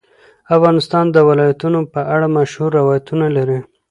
افغانستان د ولایتونو په اړه مشهور روایتونه لري.